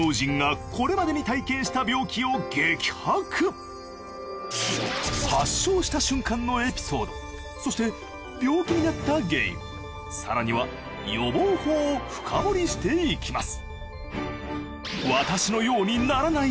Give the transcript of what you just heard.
発症した瞬間のエピソードそして病気になった原因更には予防法を深掘りしていきます